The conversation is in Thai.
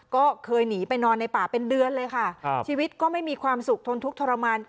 ก็เคยหนีไปนอนในป่าเป็นเดือนเลยค่ะครับชีวิตก็ไม่มีความสุขทนทุกข์ทรมาน